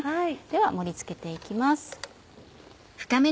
では盛り付けて行きます。